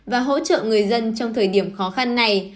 và hỗ trợ người dân trong thời điểm khó khăn này